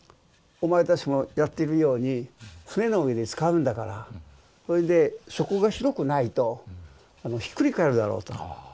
お前たちもやってるように船の上で使うんだからそれで底が広くないとひっくり返るだろうと。